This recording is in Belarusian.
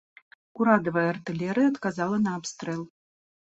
Урадавая артылерыя адказала на абстрэл.